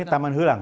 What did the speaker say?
ini taman helang